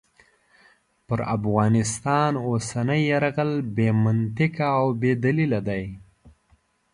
پر افغانستان اوسنی یرغل بې منطقې او بې دلیله دی.